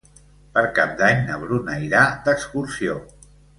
Per Cap d'Any na Bruna irà d'excursió.